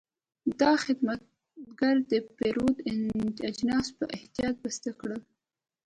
دا خدمتګر د پیرود اجناس په احتیاط بسته کړل.